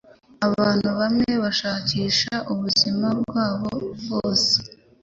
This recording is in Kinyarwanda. Abantu bamwe bashakisha ubuzima bwabo bwose